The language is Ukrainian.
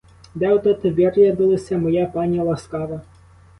Де ото ти вирядилася, моя пані ласкава?